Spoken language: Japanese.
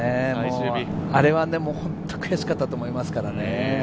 あれは本当に悔しかったと思いますからね。